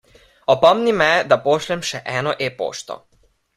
Opomni me, da pošljem še eno e-pošto.